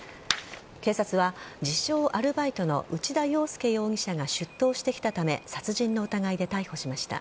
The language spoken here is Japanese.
警察は、自称・アルバイトの内田洋輔容疑者が出頭してきたため殺人の疑いで逮捕しました。